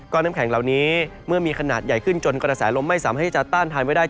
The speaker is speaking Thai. ก็น้ำแข็งเหล่านี้เมื่อมีขนาดใหญ่ขึ้นจนกระแสลมไม่สามารถที่จะต้านทานไว้ได้